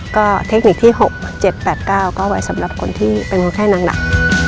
ก็เทคนิคที่๖๗๘๙ก็ไว้สำหรับคนที่เป็นคนไข้นางหลัก